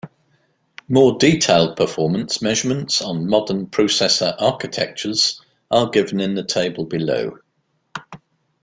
More detailed performance measurements on modern processor architectures are given in the table below.